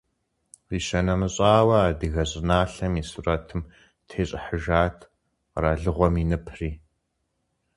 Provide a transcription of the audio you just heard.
Къищынэмыщӏауэ, адыгэ щӏыналъэм и сурэтым тещӏыхьыжат къэралыгъуэм и ныпри.